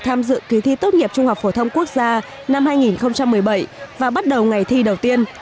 tham dự kỳ thi tốt nghiệp trung học phổ thông quốc gia năm hai nghìn một mươi bảy và bắt đầu ngày thi đầu tiên